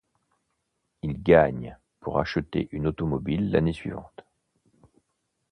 Il gagne pour acheter une automobile l'année suivante.